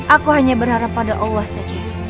aku hanya berharap pada allah saja